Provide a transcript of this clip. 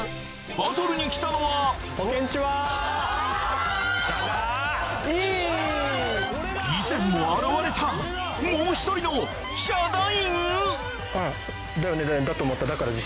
バトルに来たのは以前も現れたもう一人のヒャダイン！？